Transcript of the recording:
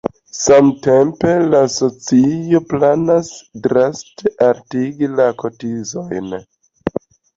Samtempe la asocio planas draste altigi la kotizojn.